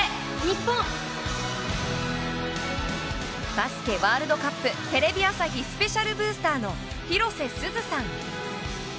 バスケワールドカップテレビ朝日スペシャルブースターの広瀬すずさん。